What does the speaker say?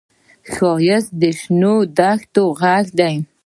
ښایست د شنې دښتې غږ دی